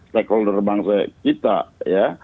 stakeholder bangsa kita ya